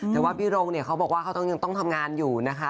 แต่ว่าพี่รงเขาบอกว่าเขายังต้องทำงานอยู่นะคะ